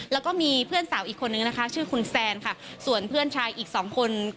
แล้วก็มีเพื่อนสาวอีกคนนึงนะคะชื่อคุณแซนค่ะส่วนเพื่อนชายอีกสองคน